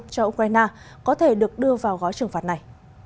cho ukraine có thể được đưa vào gói trừng phạt này